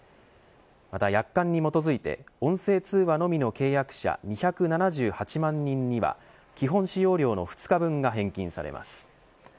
また約款に基づいて音声通話のみの契約者２７８万人には基本使用料の２日分が返金されます。